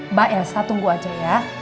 mbak elsa tunggu aja ya